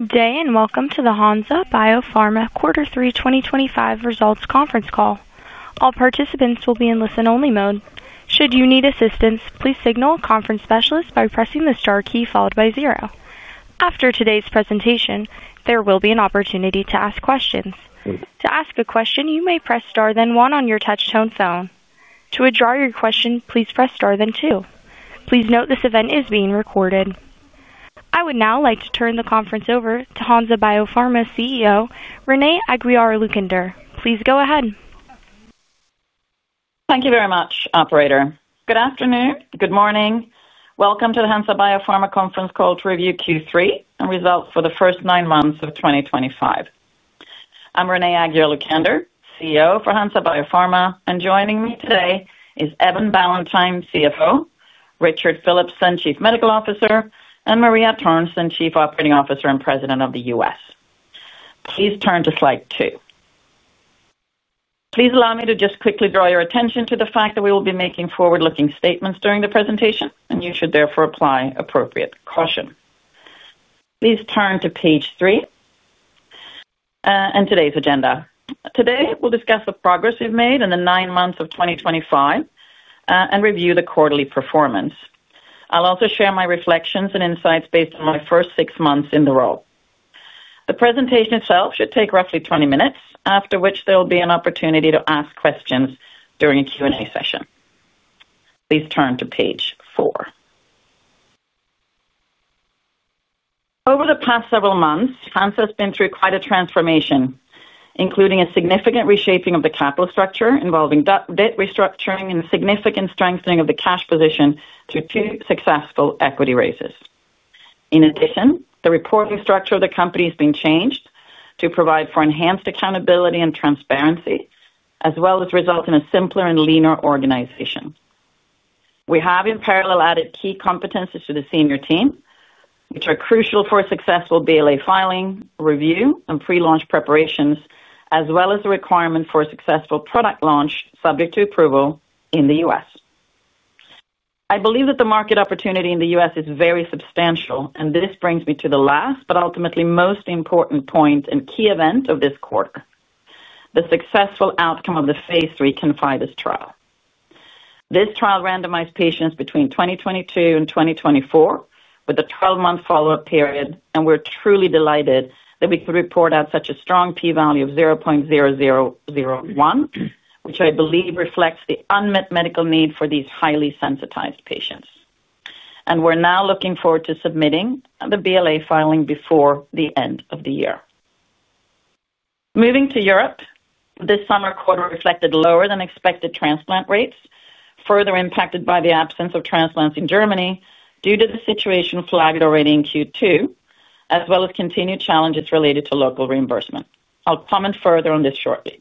Good day and welcome to the Hansa Biopharma Quarter 3 2025 results conference call. All participants will be in listen-only mode. Should you need assistance, please signal a conference specialist by pressing the star key followed by zero. After today's presentation, there will be an opportunity to ask questions. To ask a question, you may press star then one on your touchtone phone. To withdraw your question, please press star then two. Please note this event is being recorded. I would now like to turn the conference over to Hansa Biopharma CEO Renée Aguiar-Lucander. Please go ahead. Thank you very much, Operator. Good afternoon. Good morning. Welcome to the Hansa Biopharma conference call to review Q3 and results for the first nine months of 2025. I'm Renée Aguiar-Lucander, CEO for Hansa Biopharma, and joining me today is Evan Ballantyne, CFO, Richard Philipson, Chief Medical Officer, and Maria Törnsén, Chief Operating Officer and President of the U.S. Please turn to slide two. Please allow me to just quickly draw your attention to the fact that we will be making forward-looking statements during the presentation and you should therefore apply appropriate caution. Please turn to page three and today's agenda. Today we'll discuss the progress we've made in the nine months of 2025 and review the quarterly performance. I'll also share my reflections and insights based on my first six months in the role. The presentation itself should take roughly 20 minutes, after which there will be an opportunity to ask questions during a Q&A session. Please turn to page four. Over the past several months, Hansa has been through quite a transformation, including a significant reshaping of the capital structure involving debt restructuring and significant strengthening of the cash position through two successful equity raises. In addition, the reporting structure of the company has been changed to provide for enhanced accountability and transparency as well as result in a simpler and leaner organization. We have in parallel added key competencies to the senior team which are crucial for successful BLA filing, review, and prelaunch preparations, as well as the requirement for a successful product launch, subject to approval in the U.S. I believe that the market opportunity in the U.S. is very substantial and this brings me to the last but ultimately most important point and key event of this quarter, the successful outcome of the phase III ConfIdeS trial. This trial randomized patients between 2022 and 2024 with a 12-month follow-up period, and we're truly delighted that we could report out such a strong p-value of 0.0001, which I believe reflects the unmet medical need for these highly sensitized patients, and we're now looking forward to submitting the BLA filing before the end of the year. Moving to Europe, this summer quarter reflected lower than expected transplant rates, further impacted by the absence of transplants in Germany due to the situation flagged already in Q2, as well as continued challenges related to local reimbursement. I'll comment further on this shortly.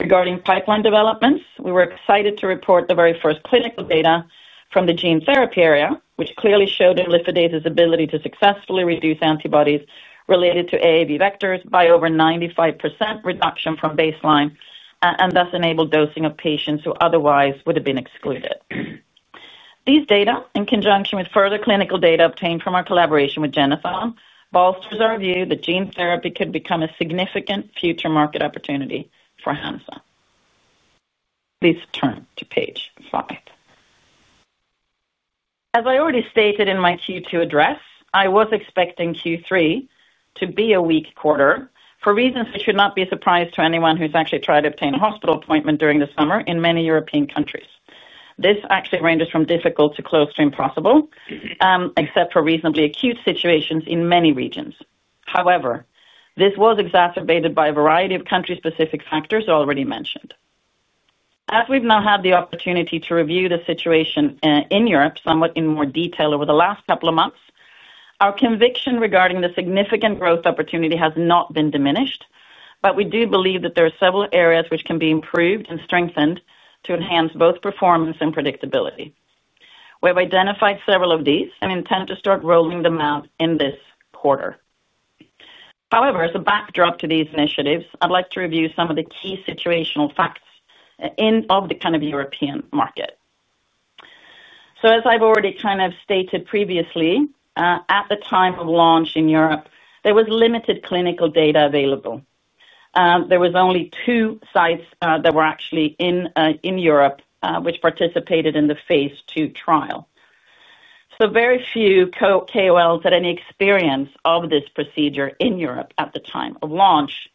Regarding pipeline developments, we were excited to report the very first clinical data from the gene therapy area, which clearly showed imlifidase's ability to successfully reduce antibodies related to AAV vectors by over 95% reduction from baseline and thus enabled dosing of patients who otherwise would have been excluded. These data, in conjunction with further clinical data obtained from our collaboration with Généthon, bolsters our view that gene therapy could become a significant future market opportunity for Hansa. Please turn to page five. As I already stated in my Q2 address, I was expecting Q3 to be a weak quarter for reasons that should not be a surprise to anyone who's actually tried to obtain a hospital appointment during the summer in many European countries, this actually ranges from difficult to close to impossible except for reasonably acute situations in many regions. However, this was exacerbated by a variety of country-specific factors already mentioned. As we've now had the opportunity to review the situation in Europe somewhat in More detail over the last couple of Months, our conviction regarding the significant growth opportunity has not been diminished, but we do believe that there are several areas which can be improved and strengthened to enhance both performance and predictability. We have identified several of these and intend to start rolling them out in this quarter. However, as a backdrop to these initiatives, I'd like to review some of the key situational facts of the kind of European market. As I've already stated previously, at the time of launch in Europe there was limited clinical data available, there were only two sites that were actually in Europe which participated in the phase II trial. Very few KOLs had any experience of this procedure in Europe at the time of launch.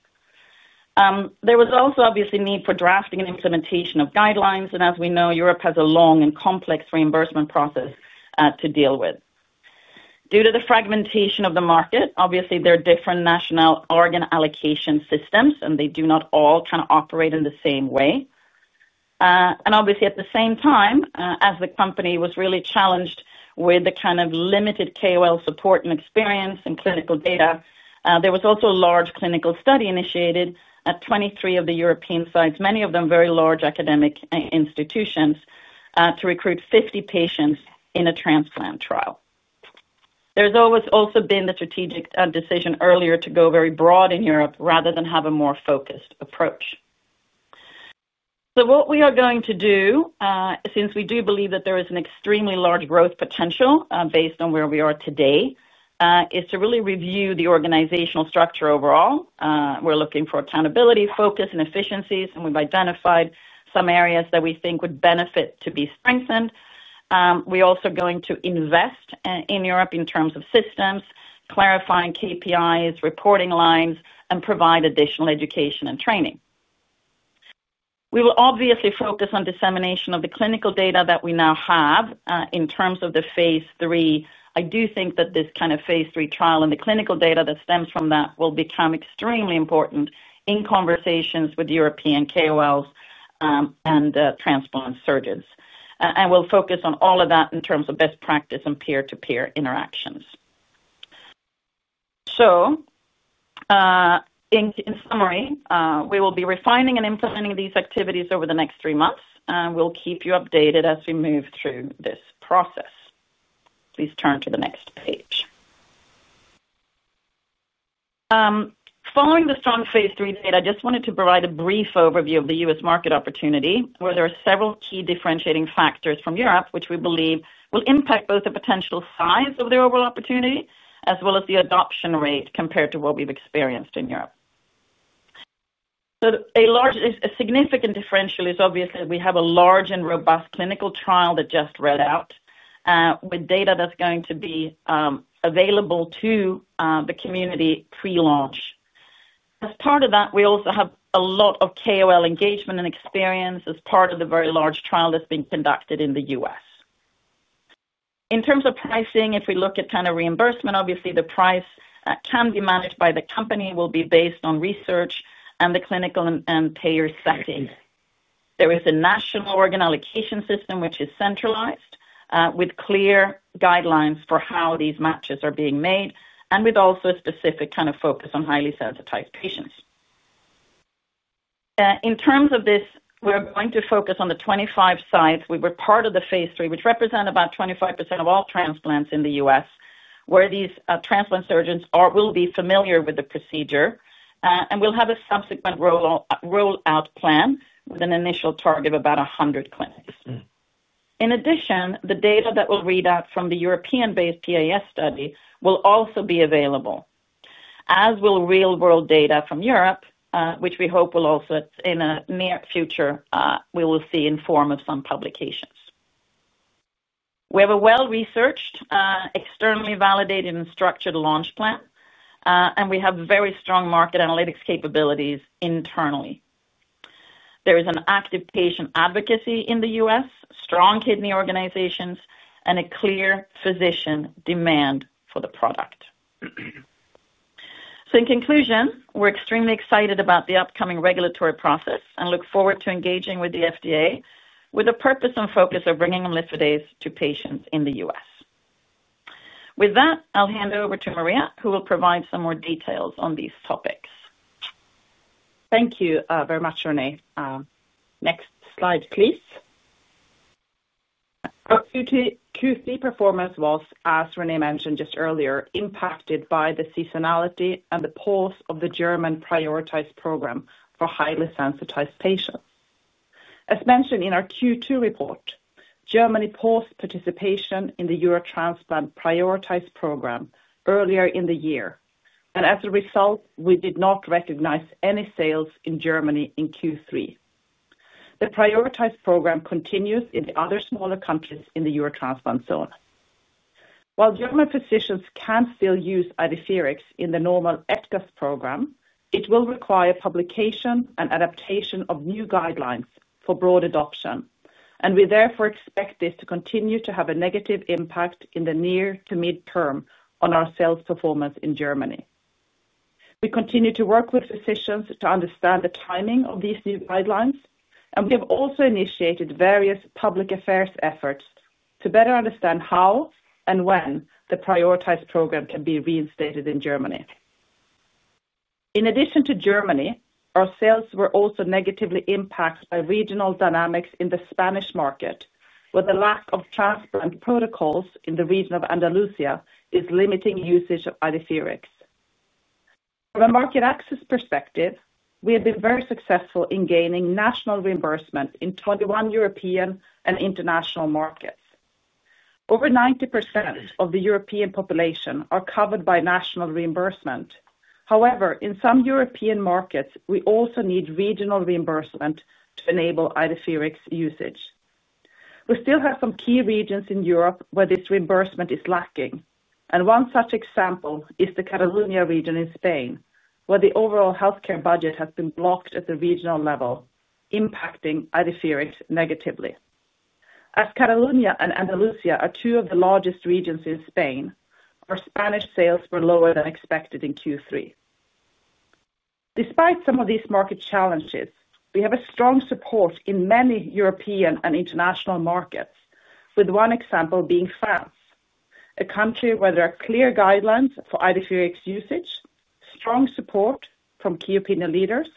There was also obviously need for drafting and implementation of guidelines and as we know Europe has a long and complex reimbursement process to deal with. Due to the fragmentation of the market, there are different national organ allocation systems and they do not all operate in the same way. At the same time as the company was really challenged with the limited KOL support and experience and clinical data, there was also a large clinical study initiated at 23 of the European sites, many of them very large academic institutions, to recruit 50 patients in a transplant trial. There has also been the strategic decision earlier to go very broad in Europe rather than have a more focused approach. What we are going to do, since we do believe that there is an extremely large growth potential based on where we are today, is to really review the organizational structure overall. We're looking for accountability, focus and efficiencies and we've identified some areas that we think would benefit to be strengthened. We're also going to invest in Europe in terms of systems, clarifying KPIs, reporting lines and provide additional education and training. We will focus on dissemination of the clinical data that we now have. In terms of the phase III, I do think that this phase III trial and the clinical data that stems from that will become extremely important in conversations with European KOLs and transplant surgeons and we'll focus on all of that in terms of best practice and peer to peer interactions. So, In summary, we will be refining and implementing these activities over the next three months, and we'll keep you updated as we move through this process. Please turn to the next page. Following The strong phase III data, I just wanted to provide a brief overview of the U.S. market opportunity where there are several key differentiating factors from Europe, which we believe will impact both the potential size of the overall opportunity as well as the adoption rate compared to what we've experienced in Europe. A significant differential is obvious that we have a large and robust clinical trial that just read out with data that's going to be available to the community prelaunch. As part of that, we also have a lot of KOL engagement and experience as part of the very large trial that's being conducted in the U.S. In terms of pricing, if we look at reimbursement, obviously the price can be managed by the company, will be based on research and the clinical and payer settings. There is a national organ allocation system which is centralized with clear guidelines for how these matches are being made and with also a specific kind of focus on highly sensitized patients. In terms of this, we're going to focus on the 25 sites we were part of the phase III, which represent about 25% of all transplants in the U.S. where these transplant surgeons will be familiar with the procedure and we'll have a subsequent rollout plan with an initial target of about 100 clinics. In addition, the data that we'll read out from the European-based PAS study will also be available, as will real-world data from Europe, which we hope will also in the near future we will see in form of some publications. We have a well-researched, externally validated and structured launch plan, and we have very strong market analytics capabilities. Internally, there is an active patient advocacy in the U.S., strong kidney organizations, and a clear physician demand for the product. In conclusion, we're extremely excited about the upcoming regulatory process and look forward to engaging with the FDA with a purpose and focus of bringing imlifidase to patients in the U.S. With that, I'll hand over to Maria who will provide some more details on these topics. Thank you very much, Renée. Next slide, please. Our Q3 performance was, as Renée mentioned just earlier, impacted by the seasonality and the pause of the German prioritized program for highly sensitized patients. As mentioned in our Q2 report, Germany paused participation in the Eurotransplant prioritized program earlier in the year, and as a result, we did not recognize any sales in Germany in Q3. The prioritized program continues in the other smaller countries in the Eurotransplant zone. While German physicians can still use Idefirix in the normal ETKAS Program, it will require publication and adaptation of new guidelines for broad adoption, and we therefore expect this to continue to have a negative impact in the near to midterm on our sales performance in Germany. We continue to work with physicians to understand the timing of these new guidelines, and we have also initiated various public affairs efforts to better understand how and when the prioritized program can be reinstated in Germany. In addition to Germany, our sales were also negatively impacted by regional dynamics in the Spanish market, where the lack of transparent protocols in the region of Andalusia is limiting usage of Idefirix. From a market access perspective, we have been very successful in gaining national reimbursement in 21 European and international markets. Over 90% of the European population are covered by national reimbursement. However, in some European markets, we also need regional reimbursement to enable Idefirix usage. We still have some key regions in Europe where this reimbursement is lacking, and one such example is the Catalonia region in Spain, where the overall healthcare budget has been blocked at the regional level, impacting Idefirix negatively. As Catalonia and Andalusia are two of the largest regions in Spain, our Spanish sales were lower than expected in Q3. Despite some of these market challenges, we have strong support in many European and international markets, with one example being France, a country where there are clear guidelines for Idefirix usage, strong support from key opinion leaders,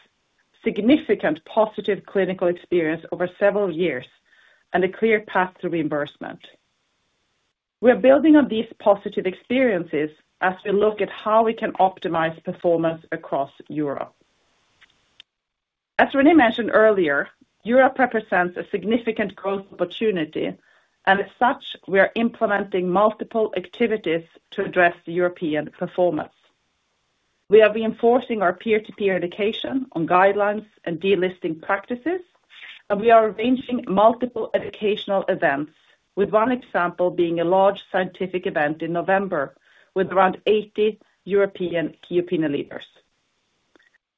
significant positive clinical experience over several years, and a clear path to reimbursement. We are building on these positive experiences as we look at how we can optimize performance across Europe. As Renée mentioned earlier, Europe represents a significant growth opportunity, and as such, we are implementing multiple activities to address the European performance. We are reinforcing our peer-to-peer education on guidelines and delisting practices, and we are arranging multiple educational events, with one example being a large scientific event in November with around 80 European key opinion leaders.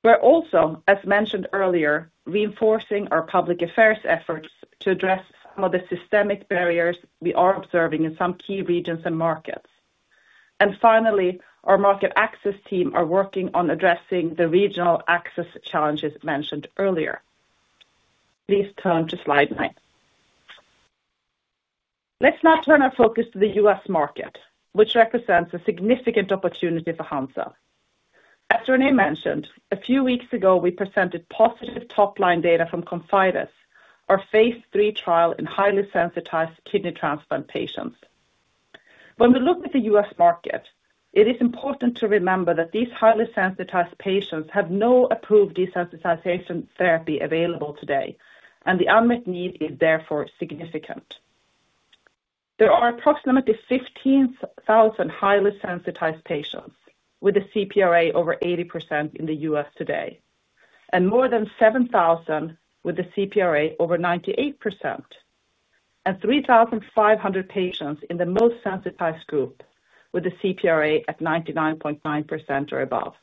We're also, as mentioned earlier, reinforcing our public affairs efforts to address some of the systemic barriers we are observing in some key regions and markets. Finally, our Market Access team is working on addressing the regional access challenges mentioned earlier. Please turn to slide nine. Let's now turn our focus to the U.S. market, which represents a significant opportunity for Hansa. As Renée mentioned, a few weeks ago we presented positive top-line data from the ConfIdeS phase III trial in highly sensitized kidney transplant patients. When we look at the U.S. market, it is important to remember that these highly sensitized patients have no approved desensitization therapy available today, and the unmet need is therefore significant. There are approximately 15,000 highly sensitized patients with a CPRA over 80% in the U.S. today, and more than 7,000 with a CPRA over 98%, and 3,500 patients in the most sensitized group with a CPRA at 99.9% or above.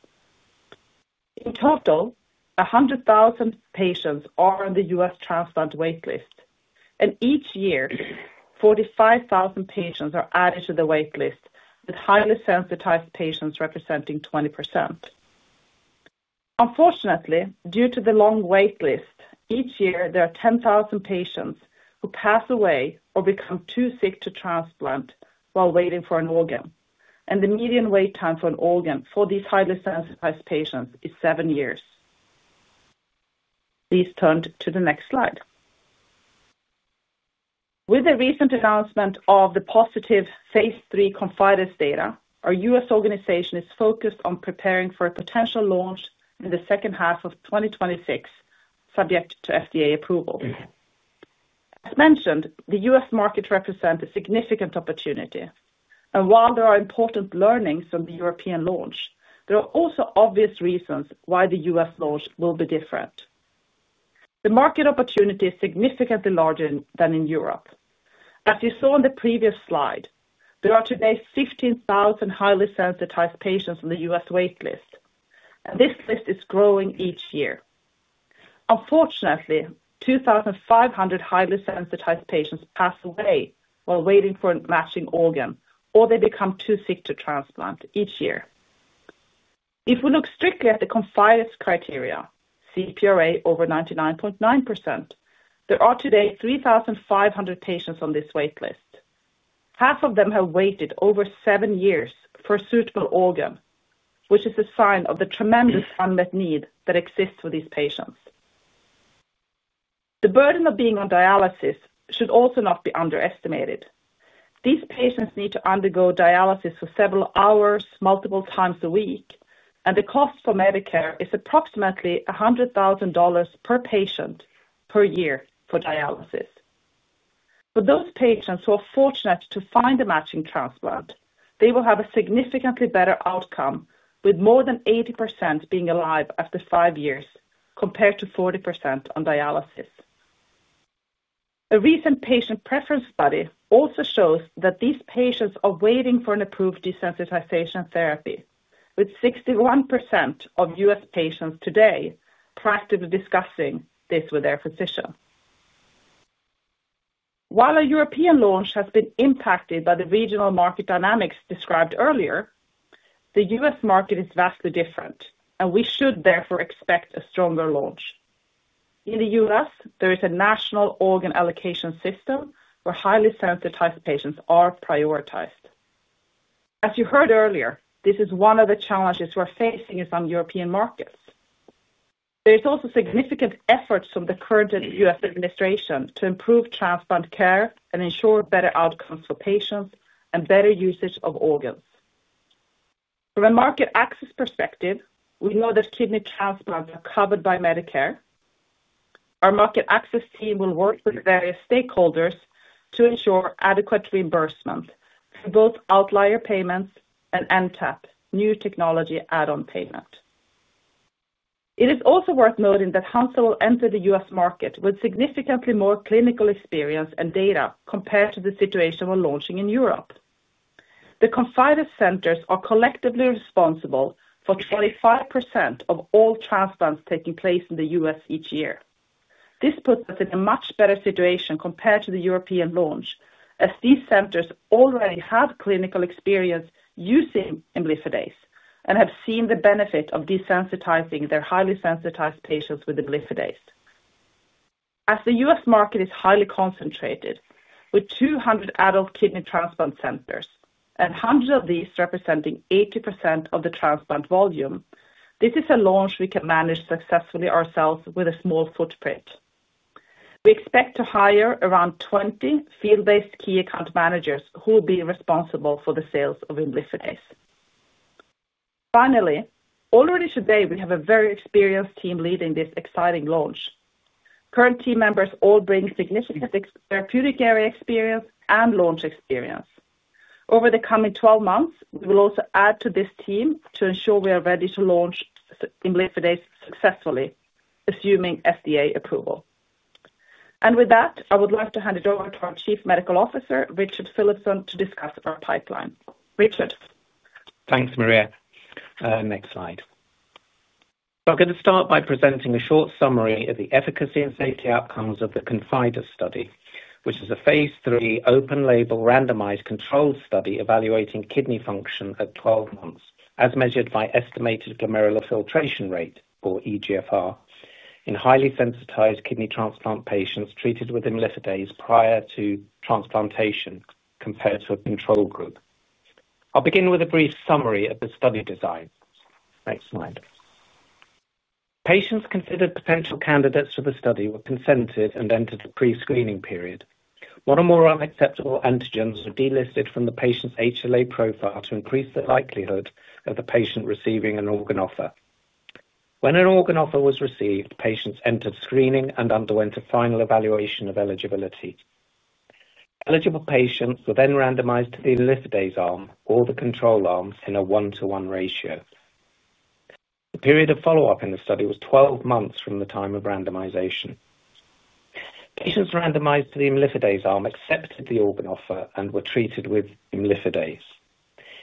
In total, 100,000 patients are on the U.S. transplant wait list, and each year 45,000 patients are added to the wait list, with highly sensitized patients representing 20%. Unfortunately, due to the long wait list, each year there are 10,000 patients who pass away or become too sick to transplant while waiting for an organ, and the median wait time for an organ for these highly sensitized patients is seven years. Please turn to the next slide. With the recent announcement of the positive phase III ConfIdeS data, our U.S. organization is focused on preparing for a potential launch in the second half of 2026, subject to FDA approval. As mentioned, the U.S. market represents a significant opportunity, and while there are important learnings from the European launch, there are also obvious reasons why the U.S. launch will be different. The market opportunity is significantly larger than in Europe. As you saw on the previous slide, there are today 15,000 highly sensitized patients on the U.S. wait list, and this list is growing each year. Unfortunately, 2,500 highly sensitized patients pass away while waiting for a matching organ or they become too sick to transplant each year. If we look strictly at the ConfIdeS criteria, CPRA over 99.9%, there are today 3,500 patients on this wait list. Half of them have waited over seven years for a suitable organ, which is a sign of the tremendous unmet need that exists for these patients. The burden of being on dialysis should also not be underestimated. These patients need to undergo dialysis for several hours multiple times a week, and the cost for Medicare is approximately $100,000 per patient per year for dialysis. For those patients who are fortunate to find a matching transplant, they will have a significantly better outcome with more than 80% being alive after five years compared to 40% on dialysis. A recent patient preference study also shows that these patients are waiting for an approved desensitization therapy, with 61% of U.S. patients today practically discussing this with their physician. While a European launch has been impacted by the regional market dynamics described earlier, the U.S. market is vastly different, and we should therefore expect a stronger launch. In the U.S., there is a national organ allocation system where highly sensitized patients are prioritized. As you heard earlier, this is one of the challenges we're facing in some European markets. There are also significant efforts from the current U.S. administration to improve transplant care and ensure better outcomes for patients and better usage of organs. From a market access perspective, we know that kidney transplants are covered by Medicare. Our market access team will work with various stakeholders to ensure adequate reimbursement, both outlier payments and NTAP new technology add-on payment. It is also worth noting that Hansa will enter the U.S. market with significantly more clinical experience and data compared to the situation when launching in Europe. The ConfIdeS centers are collectively responsible for 25% of all transplants taking place in the U.S. each year. This puts us in a much better situation compared to the European launch, as these centers already have clinical experience using imlifidase and have seen the benefit of desensitizing their highly sensitized patients with imlifidase. As the U.S. market is highly concentrated with 200 adult kidney transplant centers and hundreds of these representing 80% of the transplant volume, this is a launch we can manage successfully ourselves with a small footprint. We expect to hire around 20 field-based key account managers who will be responsible for the sales of imlifidase. Finally, already today we have a very experienced team leading this exciting launch. Current team members all bring significant therapeutic area experience and launch experience over the coming 12 months, We will also add to this team to ensure we are ready to launch imlifidase successfully assuming FDA approval, and with that I would like to hand it over to our Chief Medical Officer Richard Philipson to discuss our pipeline. Richard. Thanks, Maria. Next slide. I'm going to start by presenting a short summary of the efficacy and safety outcomes of the ConfIdeS study, which is a phase III open-label randomized controlled study evaluating kidney function at 12 months as measured by estimated glomerular filtration rate, or EGFR, in highly sensitized kidney transplant patients treated with imlifidase prior to transplantation compared to a control group. I'll begin with a brief summary of the study design. Next slide. Patients considered potential candidates for the study were consented and entered the pre-screening period. One or more unacceptable antigens were delisted from the patient's HLA profile to increase the likelihood of the patient receiving an organ offer. When an organ offer was received, patients entered screening and underwent a final evaluation of eligibility. Eligible patients were then randomized to the imlifidase arm or the control arm in a one-to-one ratio. The period of follow-up in the study was 12 months from the time of randomization. Patients randomized to the imlifidase arm accepted the organ offer and were treated with imlifidase.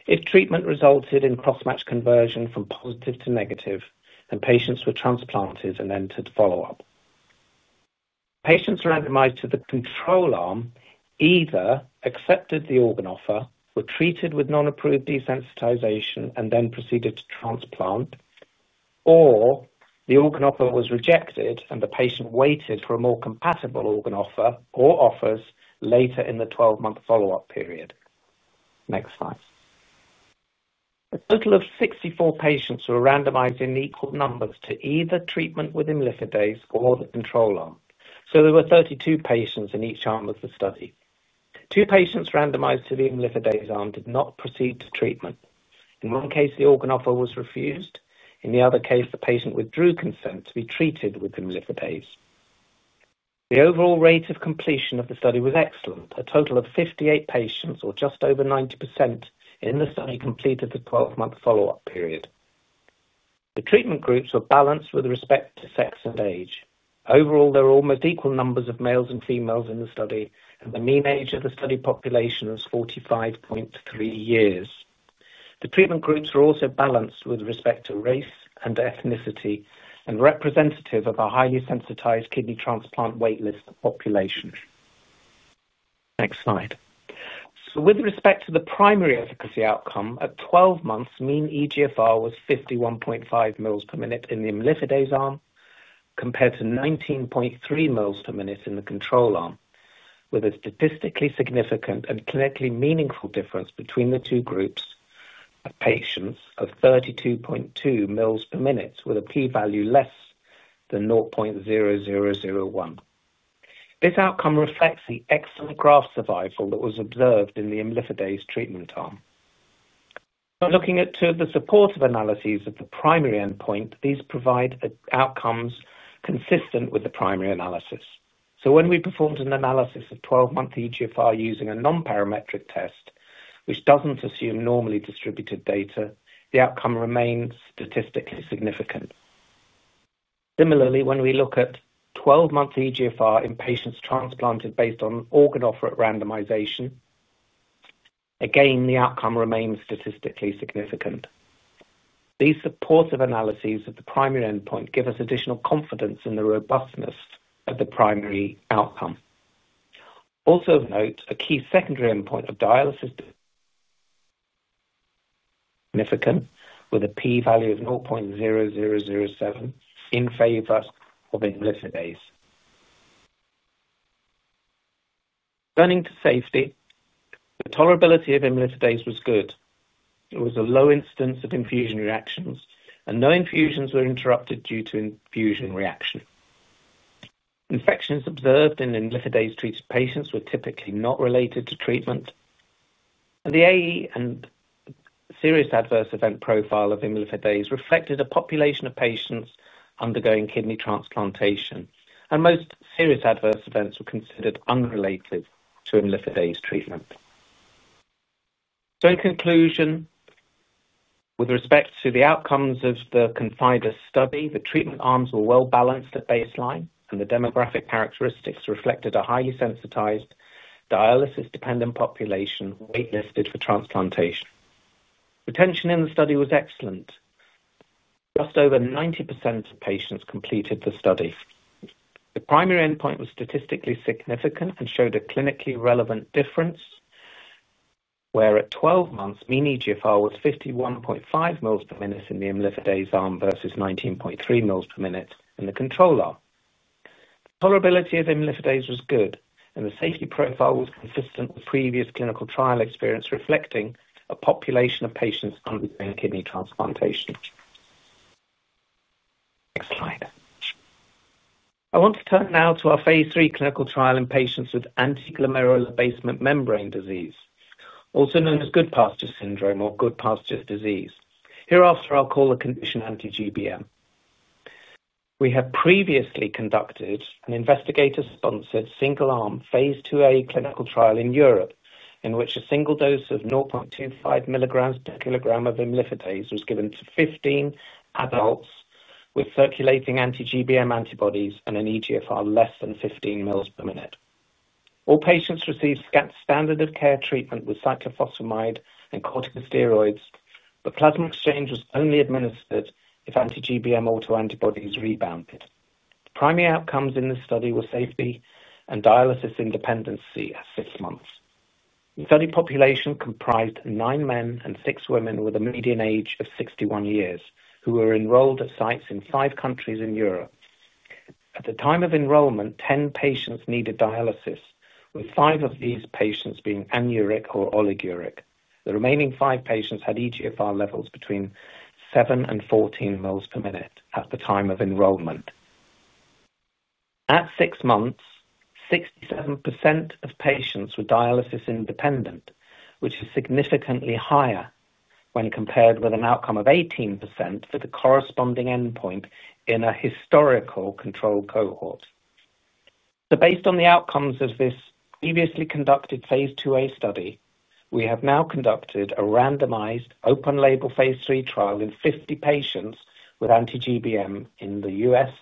This treatment resulted in crossmatch conversion from positive to negative, and patients were transplanted and entered follow-up. Patients randomized to the control arm either accepted the organ offer, were treated with non-approved desensitization and then proceeded to transplant, or the organ offer was rejected and the patient waited for a more compatible organ offer or offers later in the 12-month follow-up period. Next slide. A total of 64 patients were randomized in equal numbers to either treatment with imlifidase or the control arm, so there were 32 patients in each arm of the study. Two patients randomized to the imlifidase arm did not proceed to treatment. In one case, the organ offer was refused; in the other case, the patient withdrew consent to be treated with imlifidase. The overall rate of completion of the study was excellent. A total of 58 patients, or just over 90%, in the study completed the 12-month follow-up period. The treatment groups were balanced with respect to sex and age. Overall, there are almost equal numbers of males and females in the study, and the mean age of the study population is 45.3 years. The treatment groups are also balanced with respect to race and ethnicity and are representative of our highly sensitized kidney transplant wait list population. Next slide. With respect to the primary efficacy outcome at 12 months, mean EGFR was 51.5 mL/min in the imlifidase arm compared to 19.3 mL/min in the control arm, with a statistically significant and clinically meaningful difference between the two groups of patients of 32.2 mL/min, with a p-value less than 0.0001. This outcome reflects the excellent graft survival that was observed in the imlifidase treatment arm. Looking at two of the supportive analyses of the primary endpoint, these provide outcomes consistent with the primary analysis. When we performed an analysis of 12-month EGFR using a non-parametric test, which doesn't assume normally distributed data, the outcome remains statistically significant. Similarly, when we look at 12-month EGFR in patients transplanted based on organ offer at randomization, again the outcome remains statistically significant. These supportive analyses of the primary endpoint give us additional confidence in the robustness of the primary outcome. Also of note, a key secondary endpoint of dialysis with a p-value of 0.0007 in favor of imlifidase. Turning to safety, the tolerability of imlifidase was good. It was a low incidence of infusion reactions and no infusions were interrupted due to infusion reaction. Infections observed in imlifidase-treated patients were typically not related to treatment. The AE and serious adverse event profile of imlifidase reflected a population of patients undergoing kidney transplantation, and most serious adverse events were considered unrelated to imlifidase treatment. In conclusion, with respect to the outcomes of the ConfIdeS study, the treatment arms were well balanced at baseline and the demographic characteristics reflected a highly sensitized dialysis-dependent population waitlisted for transplantation. Retention in the study was excellent. Just over 90% of patients completed the study. The primary endpoint was statistically significant and showed a clinically relevant difference, where at 12 months mean EGFR was 51.5 mL/min in the imlifidase arm versus 19.3 mL/min in the control arm. Tolerability of imlifidase was good and the safety profile was consistent with previous clinical trial experience, reflecting a population of patients undergoing kidney transplantation. Next slide, I want to turn now to our phase III clinical trial in patients with anti-glomerular basement membrane disease, also known as Goodpasture syndrome or Goodpasture’s disease. Hereafter I'll call the condition anti-GBM. We have previously conducted an investigator-sponsored single-arm phase II-A clinical trial in Europe in which a single dose of 0.25 mg per kg of imlifidase was given to 15 adults with circulating anti-GBM antibodies and an EGFR less than 15 mL/min. All patients received standard of care treatment with cyclophosphamide and corticosteroids, but plasma exchange was only administered if anti-GBM autoantibodies rebounded. Primary outcomes in this study were safety and dialysis independency at 6 months. The study population comprised nine men and six women with a median age of 61 years who were enrolled at sites in five countries in Europe. At the time of enrollment, 10 patients needed dialysis, with five of these patients being anuric or oliguric. The remaining five patients had EGFR levels between 7 mL and 14 mL per minute at the time of enrollment. At six months, 67% of patients were dialysis independent, which is significantly higher when compared with an outcome of 18% for the corresponding endpoint in a historical control cohort. Based on the outcomes of this previously conducted phase II-A study, we have now conducted a randomized open-label phase III trial in 50 patients with anti-GBM in the U.S.,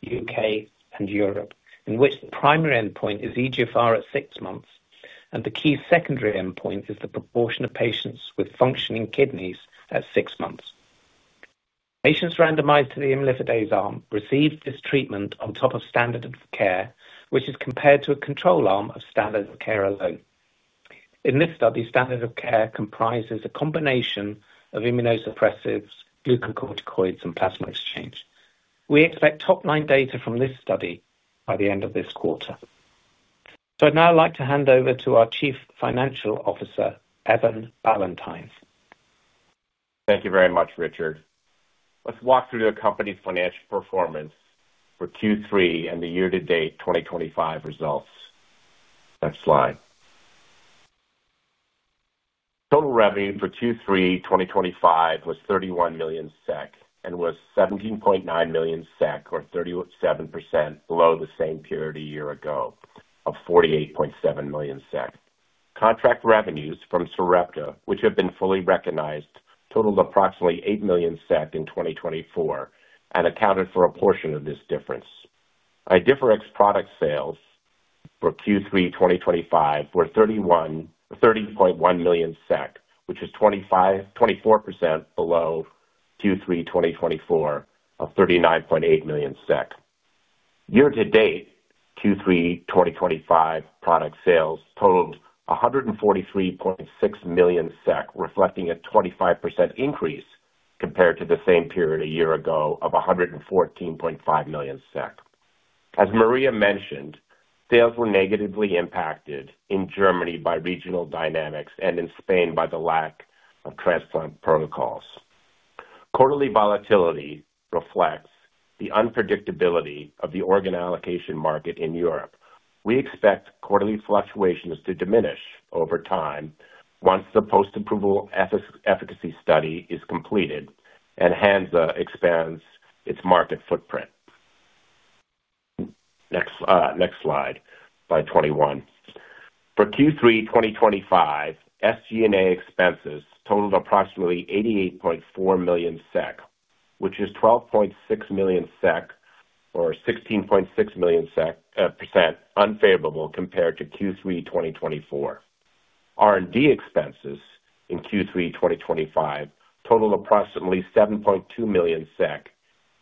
U.K., and Europe in which the primary endpoint is EGFR at six months and the key secondary endpoint is the proportion of patients with functioning kidneys at six months. Patients randomized to the imlifidase arm received this treatment on top of standard of care, which is compared to a control arm of standard of care alone. In this study, standard of care comprises a combination of immunosuppressives, glucocorticoids, and plasma exchange. We expect top-line data from this study by the end of this quarter, so I'd now like to hand over to our Chief Financial Officer, Evan Ballantyne. Thank you very much, Richard. Let's walk through the company's financial performance for Q3 and the year-to-date 2025 results. Next slide. Total revenue for Q3 2025 was 31 million SEK and was 17.9 million SEK, or 37%, below the same period a year ago of 48.7 million SEK. Contract revenues from Sarepta, which have been fully recognized, totaled approximately 8 million SEK in 2024 and accounted for a portion of this difference. Idefirix product sales for Q3 2025 were 30.1 million SEK, which is 24% below Q3 2024 of 39.8 million SEK. Year-to-date, Q3 2025 product sales totaled 143.6 million SEK, reflecting a 25% increase compared to the same period a year ago of 114.5 million SEK. As Maria mentioned, sales were negatively impacted in Germany by regional dynamics and in Spain by the lack of transplant protocols. Quarterly volatility reflects the unpredictability of the organ allocation market in Europe. We expect quarterly fluctuations to diminish over time once the post-approval efficacy study is completed and Hansa expands its market footprint. Next slide. Slide 21, for Q3 2025, SG&A expenses totaled approximately 88.4 million SEK, which is 12.6 million SEK, or 16.6%, unfavorable compared to Q3 2024. R&D expenses in Q3 2025 totaled approximately 7.2 million SEK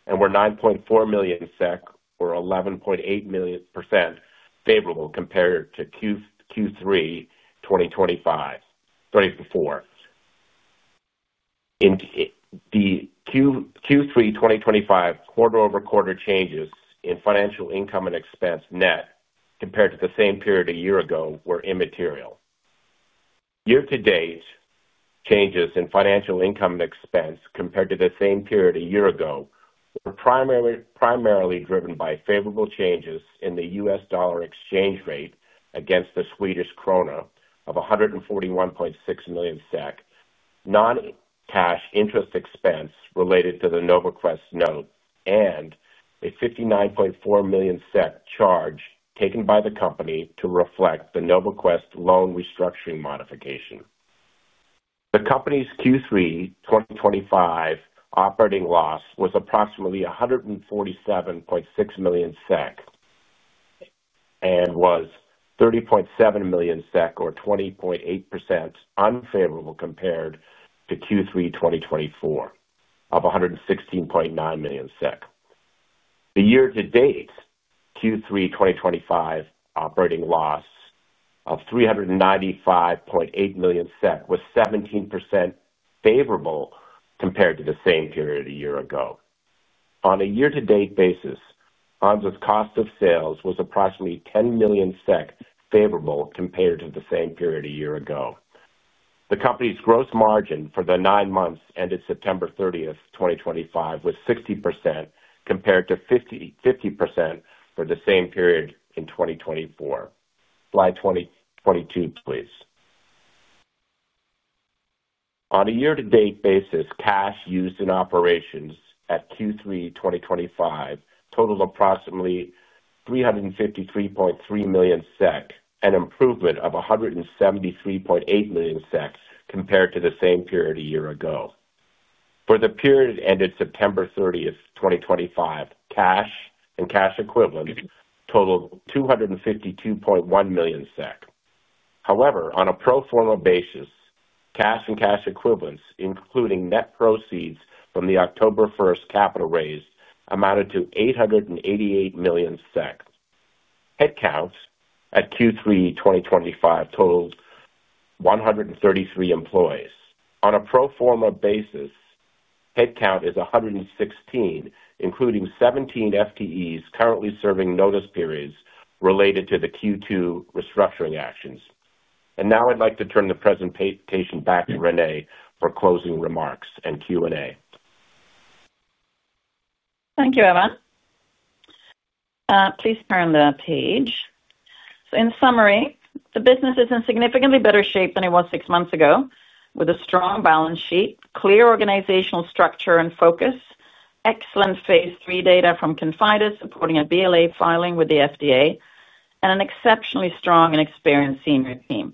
and were 9.4 million SEK, or 11.8%, favorable compared to Q3 2024. The Q3 2025 quarter-over-quarter changes in financial income and expense, net, compared to the same period a year ago were immaterial. Year-to-date, changes in financial income and expense compared to the same period a year ago were primarily driven by favorable changes in the US dollar exchange rate against the Swedish krona of 141.6 million SEK, non-cash interest expense related to the NovaQuest note, and a 59.4 million SEK charge taken by the company to reflect the NovaQuest loan restructuring modification. The company's Q3 2025 operating loss was approximately 147.6 million SEK and was 30.7 million SEK, or 20.8%, unfavorable compared to Q3 2024 of SEK 116.9 million. The year-to-date, Q3 2025 operating loss of 395.8 million SEK was 17% favorable compared to the same period a year ago. On a year-to-date basis, Hansa's cost of sales was approximately 10 million SEK favorable compared to the same period a year ago. The company's gross margin for the nine months ended September 30th, 2025 was 60% compared to 50% for the same period in 2024. Slide 22, on a year-to-date basis, cash used in operations at Q3 2025 totaled approximately 353.3 million SEK, an improvement of 173.8 million SEK compared to the same period a year ago. For the period ended September 30th, 2025, cash and cash equivalents totaled 252.1 million SEK. However, on a pro forma basis, cash and cash equivalents, including net proceeds from the October 1st capital raise, amounted to 888 million SEK. Headcount at Q3 2025 totaled 133 employees. On a pro forma basis, headcount is 116, including 17 FTEs currently serving notice periods related to the Q2 restructuring actions. Now I'd like to turn the presentation back to Renée for closing remarks and Q&A. Thank you, Evan. Please turn the page. In summary, the business is in significantly better shape than it was six months ago with a strong balance sheet, clear organizational structure and focus, excellent phase III data from the ConfIdeS supporting a BLA filing with the FDA, and an exceptionally strong and experienced senior team.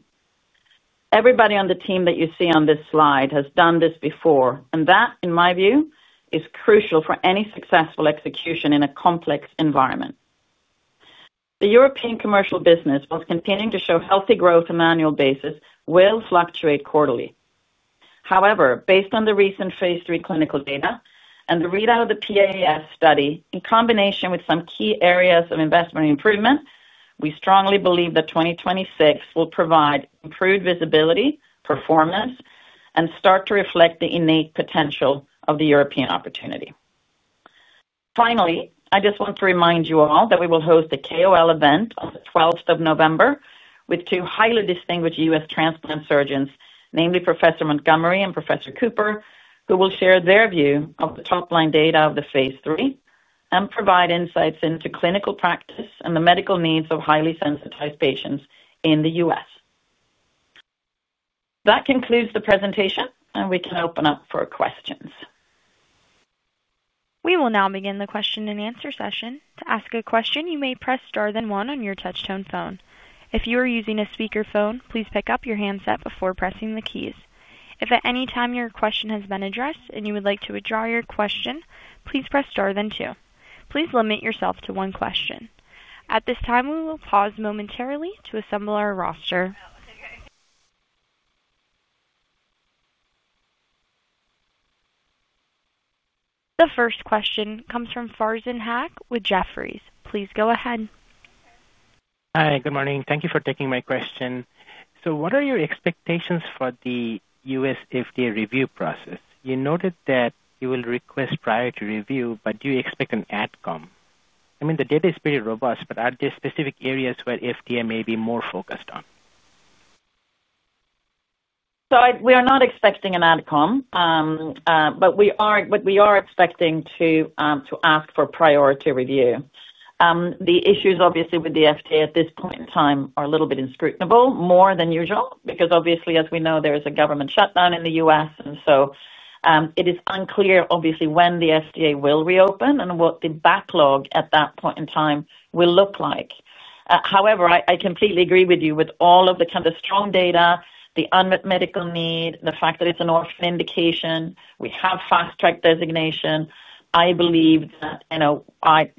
Everybody on the team that you see on this slide has done this before, and that in my view is crucial for any successful execution in a complex environment. The European commercial business, whilst continuing to show healthy growth on an annual basis, will fluctuate quarterly. However, based on the recent phase III clinical data and the readout of the PAS study, in combination with some key areas of investment improvement, we strongly believe that 2026 will provide improved visibility, performance, and start to reflect the innate potential of the European opportunity. Finally, I just want to remind you all that we will host a KOL event on November 12th with two highly distinguished U.S. transplant surgeons, namely Professor Montgomery and Professor Cooper, who will share their view of the top-line data of the phase III and provide insights into clinical practice and the medical needs of highly sensitized patients in the U.S. That concludes the presentation and we can open up for questions. We will now begin the question and answer session. To ask a question, you may press Star then one on your touchtone phone. If you are using a speakerphone, please pick up your handset before pressing the keys. If at any time your question has been addressed and you would like to withdraw your question, please press Star then two. Please limit yourself to one question. At this time, we will pause momentarily to assemble our roster. The first question comes from Farzan Haque with Jefferies. Please go ahead. Hi, good morning. Thank you for taking my question. What are your expectations for the U.S. FDA review process? You noted that you will request prior to review, but do you expect an AdCom? I mean the data is pretty robust, but are there specific areas where FDA may be more focused on? We are not expecting an AdCom, but we are expecting to ask for priority review. The issues obviously with the FDA at this point in time are a little bit inscrutable, more than usual because, as we know, there is a government shutdown in the U.S. and it is unclear when the FDA will reopen and what the backlog at that point in time will look like. However, I completely agree with you with all of the kind of strong data, the unmet medical need, the fact that it's an orphan indication, we have fast track designation. I believe that, you know, I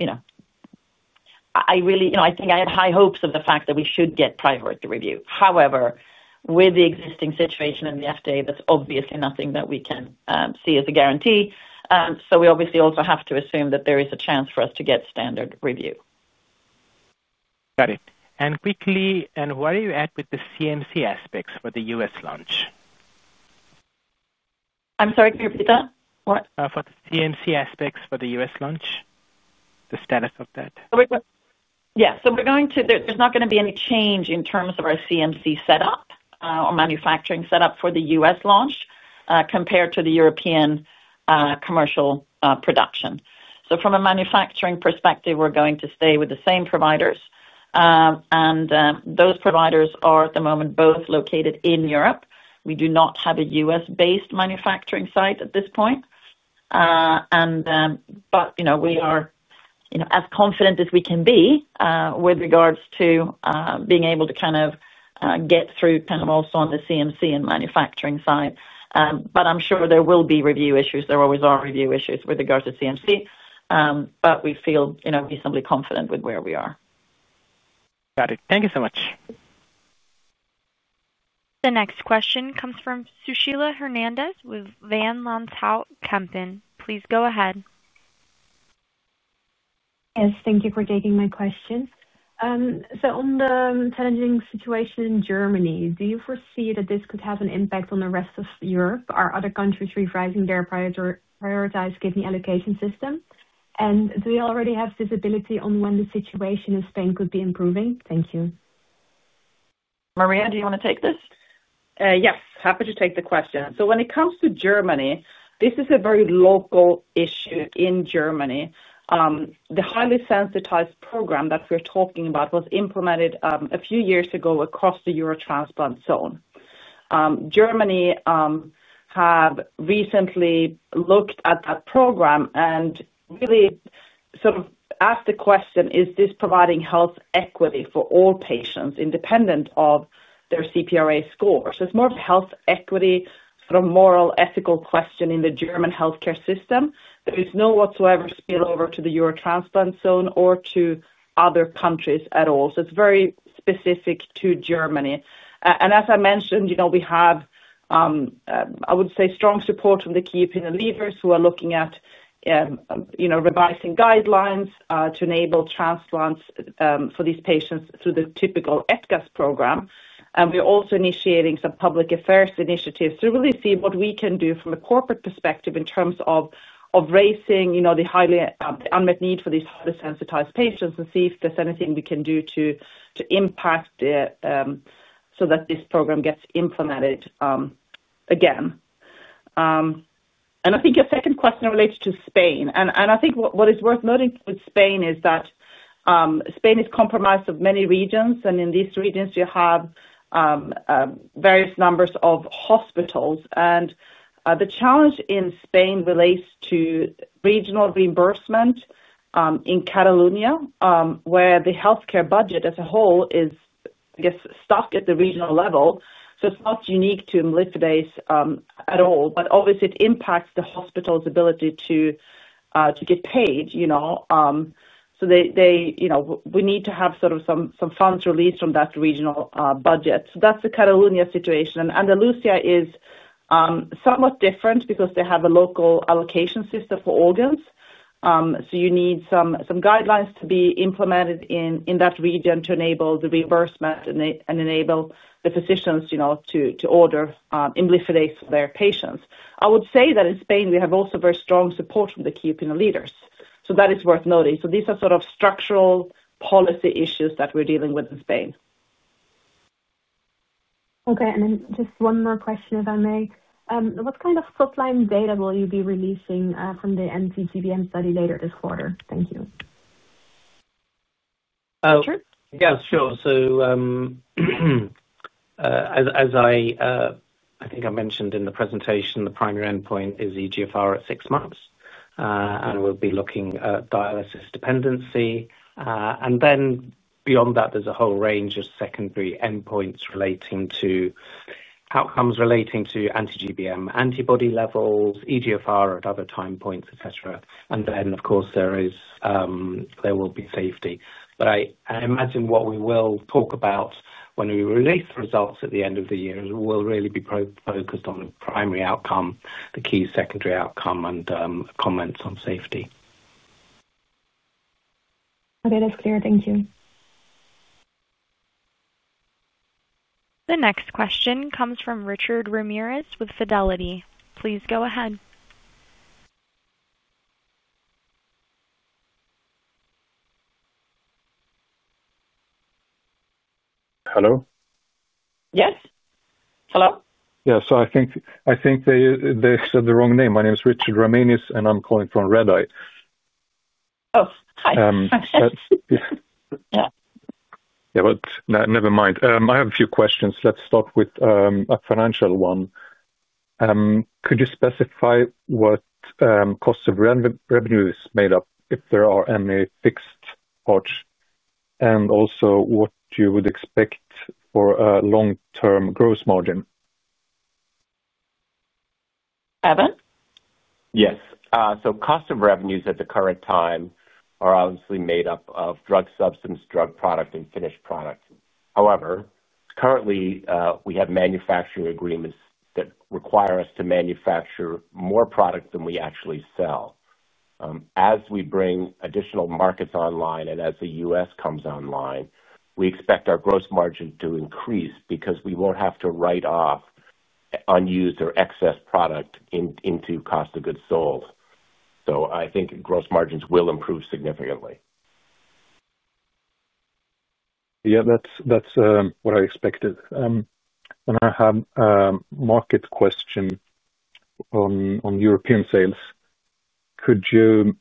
really think I had high hopes of the fact that we should get priority review. However, with the existing situation in the FDA, that's obviously nothing that we can see as a guarantee. We obviously also have to assume that there is a chance for us to get standard review. Got it. Where are you at with the CMC aspects for the U.S. launch? I'm sorry, can you repeat that? What? For the CMC aspects for the U.S. launch, the status of that. Yes. There is not going to be any change in terms of our CMC setup or manufacturing setup for the U.S. launch compared to the European commercial production. From a manufacturing perspective, we're going to stay with the same providers, and those providers are at the moment both located in Europe. We do not have a U.S.-based manufacturing site at this point. We are as confident as we can be with regards to being able to get through also on the CMC and manufacturing side. I'm sure there will be review issues. There always are review issues with regards to CMC, but we feel reasonably confident. With where we are. Got it. Thank you so much. The next question comes from Sushila Hernandez with Van Lanschot Kempen. Please go ahead. Yes, thank you for taking my question. On the challenging situation in Germany, do you foresee that this could have an impact on the rest of Europe? Are other countries revising their prioritized kidney allocation system? Do we already have visibility on when the situation in Spain could be improving? Thank you. Maria, do you want to take this? Yes, happy to take the question. When it comes to Germany, this is a very local issue in Germany. The highly sensitized program that we're talking about was implemented a few years ago across the Eurotransplant zone. Germany have recently looked at that program and really sort of asked the question, is this providing health equity for all patients independent of their CPRA score? It's more of a health equity, moral, ethical question. In the German healthcare system, there is no whatsoever spillover to the Eurotransplant zone or to other countries at all. It's very specific to Germany. As I mentioned, we have, I would say, strong support from the key opinion leaders who are looking at revising guidelines to enable transplants for these patients through the typical ETKAS program. We're also initiating some public affairs initiatives to really see what we can do from a corporate perspective in terms of raising the highly unmet need for these highly sensitized patients and see if there's anything we can do to impact so that this program gets implemented again. I think your second question relates to Spain and I think what is worth noting with Spain is that Spain is comprised of many regions and in these regions you have various numbers of hospitals. The challenge in Spain relates to regional reimbursement in Catalonia, where the healthcare budget as a whole is stuck at the regional level. It's not unique to imlifidase at all. Obviously it impacts the hospital's ability to get paid, you know, so we need to have some funds released from that regional budget. That's the Catalonia situation. Andalusia is somewhat different because they have a local allocation system for organs. You need some guidelines to be implemented in that region to enable the reimbursement and enable the physicians to order imlifidase for their patients. I would say that in Spain we have also very strong support from the key opinion leaders, so that is worth noting. These are structural policy issues that we're dealing with in Spain. Okay, and then just one more question, if I may. What kind of line data will you. Be releasing from the anti-GBM study later this quarter? Thank you. Yes, sure. So As I think I mentioned in the presentation, the primary endpoint is EGFR at six months, and we'll be looking at dialysis dependency. Beyond that, there's a whole range of secondary endpoints relating to outcomes relating to anti-GBM antibody levels, EGFR at other time points, etc. Of course, there will be safety. I imagine what we will talk about when we release results at the end of the year will really be focused on the primary outcome, the key secondary outcome, and comments on safety. Okay, that's clear, thank you. The next question comes from Richard Ramirez with Fidelity. Please go ahead. Hello? Yes, hello. I think they said the wrong name. My name is Richard Romanius and I'm calling from Redeye. Oh, hi. I have a few questions. Let's start with a financial one. Could you specify what cost of revenue is made up of? If there are any fixed Hodge and also what you would expect for a long term gross margin. Evan. Yes. Cost of revenues at the current time are obviously made up of drug substance, drug product, and finished product. However, currently we have manufacturing agreements that require us to manufacture more product than we actually sell. As we bring additional markets online and as the U.S. comes online, we expect our gross margin to increase because we won't have to write off unused or excess product into cost of goods sold. I think gross margins will improve significantly. Yeah, that's what I expected when I had market question on European sales. Could you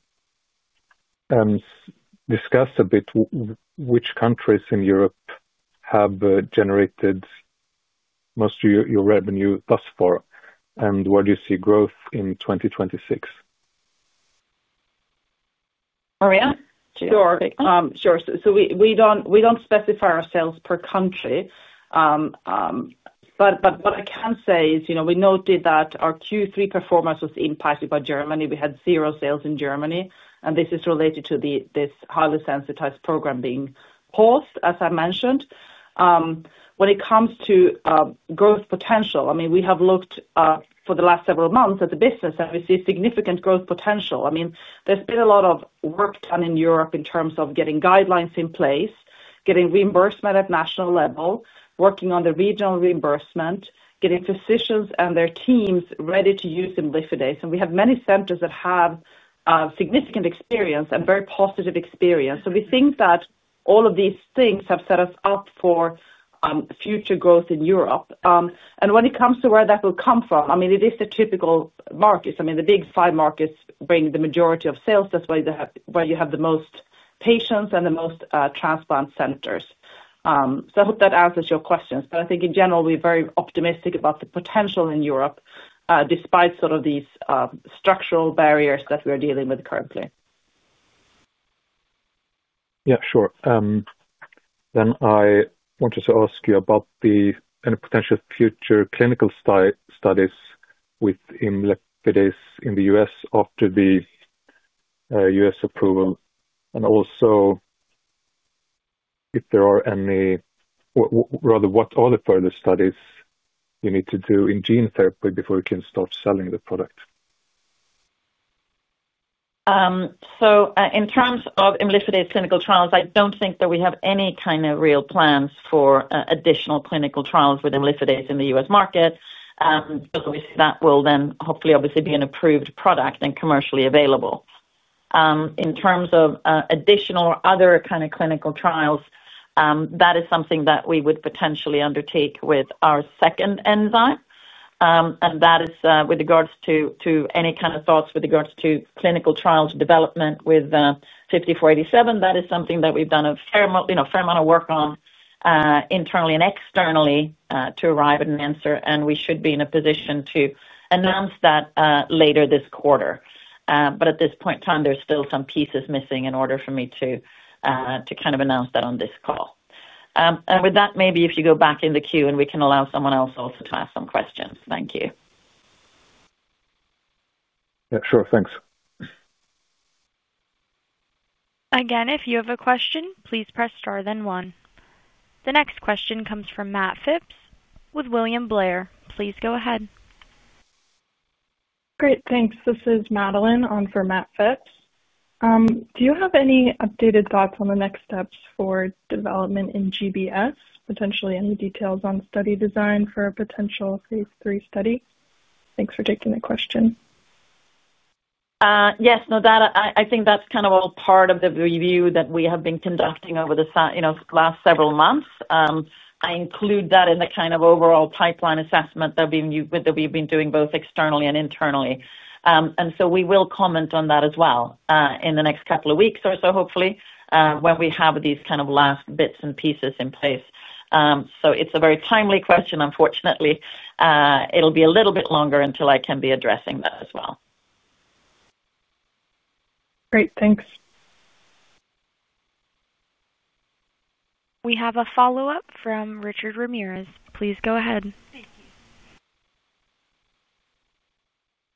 discuss a bit which countries in Europe have generated most of your revenue thus far, and where do you see growth in 2026? Maria. Sure. We don't specify ourselves per country, but what I can say is we noted that our Q3 performance was impacted by Germany. We had zero sales in Germany, and this is related to this highly sensitized program being paused. As I mentioned, when it comes to growth potential, we have looked at for the last several months at the business and we see significant growth potential. There's been a lot of work done in Europe in terms of getting guidelines in place, getting reimbursement at national level, working on the regional reimbursement, getting physicians and their teams ready to use imlifidase. We have many centers that have significant experience and very positive experience. We think that all of these things have set us up for future growth in Europe. When it comes to where that will come from, it is the typical markets. The big five markets bring the majority of sales. That's where you have the most patients and the most transplant centers. I hope that answers your questions. I think in general we're very optimistic about the potential in Europe despite sort of these structural barriers that we are dealing with currently. Yeah, sure. I wanted to ask you about the potential future clinical studies with imlifidase in the U.S. after the U.S. approval, and also if there are any, what are the further studies you need to do in gene therapy before you can start selling the product. In terms of imlifidase clinical trials, I don't think that we have any kind of real plans for additional clinical trials with imlifidase in the U.S. market that will then hopefully obviously be an approved product and commercially available. In terms of additional or other kind of clinical trials, that is something that we would potentially undertake with our second enzyme. That is with regards to any kind of thoughts with regards to clinical trials development with 5487. That is something that we've done a fair amount of work on internally and externally to arrive at an answer and we should be in a position to announce that later this quarter. At this point in time there's still some pieces missing in order for me to kind of announce that on this call and with that maybe if you go back in the queue we can allow someone else also to ask some questions. Thank you. Sure. Thanks. If you have a question, please press Star then one. The next question comes from Matt Phipps with William Blair. Please go ahead. Great, thanks. This is Madelyn on for Matt Phipps. Do you have any updated thoughts on the next steps for development in GBS? Potentially any on study design for a potential phase III trial? Thanks for taking the question. Yes, I think that's kind of all part of the review that we have been conducting over the last several months. I include that in the kind of overall pipeline assessment that we've been doing both externally and internally. We will comment on that as well in the next couple of weeks or so, hopefully when we have these kind of last bits and pieces in place. It's a very timely question. Unfortunately, it'll be a little bit longer until I can be addressing that as well. Great, thanks. We have a follow-up from Richard Ramanius. Please go ahead.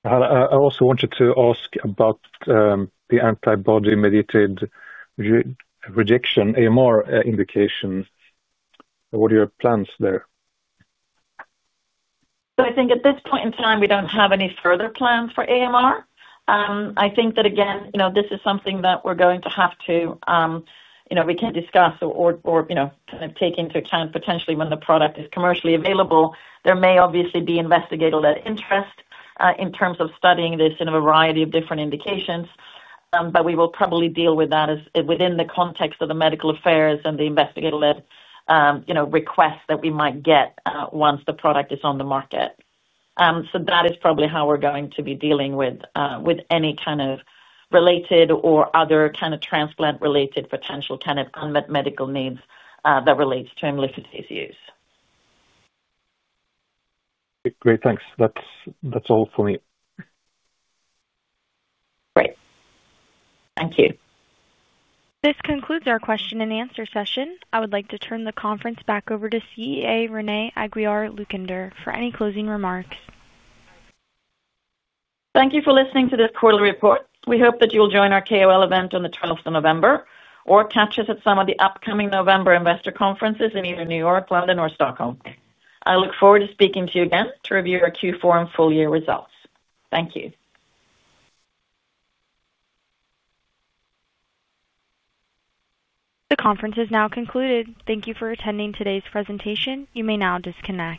I also wanted to ask about the antibody mediated rejection, AMR, indications. What are your plans there? I think at this point in time we don't have any further plans for AMR. I think that again, you know, this is something that we're going to have to, you know, we can't discuss or take into account potentially when the product is commercially available. There may obviously be investigator-led interest in terms of studying this in a variety of different indications, but we will probably deal with that within the context of the medical affairs and the investigator-led requests that we might get once the product is on the market. That is probably how we're going to be dealing with any kind of related or other kind of transplant-related potential unmet medical needs that relates to imlifidase use. Great, thanks. That's all for me. Great, thank you. This concludes our question and answer session. I would like to turn the conference back over to CEO Renée Aguiar-Lucander for any closing remarks. Thank you for listening to this quarterly report. We hope that you will join our KOL event on the 12th of November or catch us at some of the upcoming November investor conferences in either New York, London, or Stockholm. I look forward to speaking to you again to review our Q4 and full year results. Thank you. The conference has now concluded. Thank you for attending today's presentation. You may now disconnect.